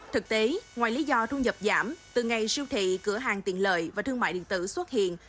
thực tế ngoài lý do thu nhập giảm từ ngày siêu thị cửa hàng tiện lợi và thương mại điện tử xuất hiện